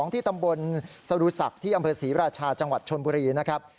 ที่ตำบลสรุศักดิ์ที่อำเภอศรีราชาจังหวัดชนบุรีนะครับ